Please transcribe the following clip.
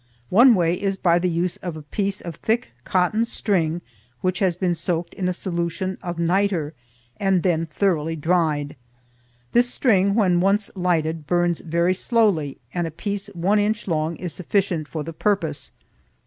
One way is by the use of a piece of thick cotton string which has been soaked in a solution of nitre and then thoroughly dried. This string, when once lighted, burns very slowly and a piece one inch long is sufficient for the purpose.